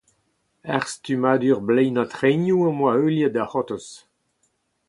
Ur stummadur bleinañ trenioù am boa heuliet, da c’hortoz.